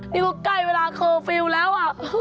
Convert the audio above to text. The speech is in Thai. นี่ก็ใกล้เวลาสมบรรยายแล้ว